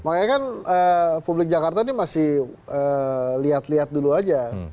makanya kan publik jakarta ini masih lihat lihat dulu aja